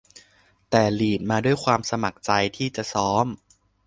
แต่ลีดมาด้วยความสมัครใจที่จะซ้อม